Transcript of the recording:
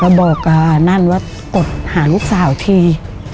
แล้วบอกอ่านั่นว่ากดหาลูกสาวที